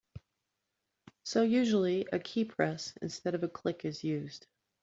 So usually a keypress instead of a click is used.